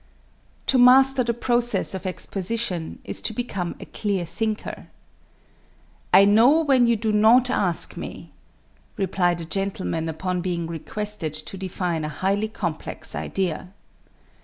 "To master the process of exposition is to become a clear thinker. 'I know, when you do not ask me,' replied a gentleman upon being requested to define a highly complex idea.